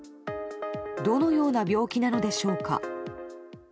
どのような病気なのでしょうか。